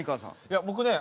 いや僕ね